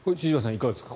いかがですか？